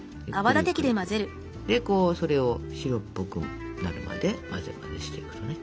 でそれを白っぽくなるまで混ぜ混ぜしていくのね。